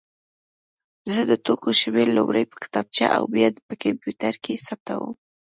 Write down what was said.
زه د توکو شمېر لومړی په کتابچه او بیا په کمپیوټر کې ثبتوم.